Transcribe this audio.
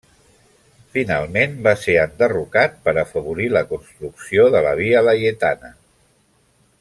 Finalment va ser enderrocat per afavorir la construcció de la Via Laietana.